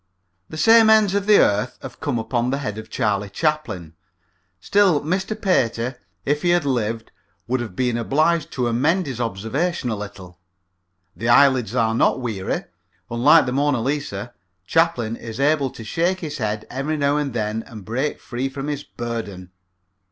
The same ends of the same earth have come upon the head of Charlie Chaplin. Still Mr. Pater, if he had lived, would have been obliged to amend his observation a little. The eyelids are not weary. Unlike the Mona Lisa, Chaplin is able to shake his head every now and then and break free from his burden.